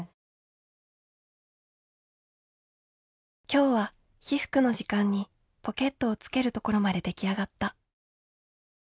「今日は被服の時間にポケットをつけるところまで出来上がった。